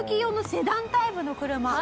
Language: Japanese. セダンタイプの車。